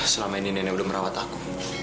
selama ini nenek udah merawat aku